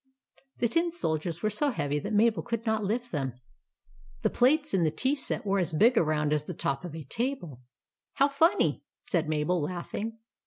The tin soldiers were so heavy that Mabel could not lift them. The plates in the tea THE GIANT'S CASTLE 171 set were as big around as the top of a table. " How funny !" said Mabel, laughing.